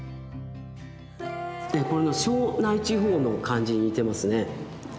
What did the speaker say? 庄内地方の感じに似てますね。